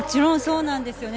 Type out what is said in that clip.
そうです。